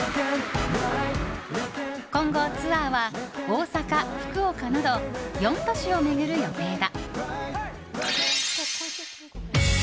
今後、ツアーは大阪、福岡など４都市を巡る予定だ。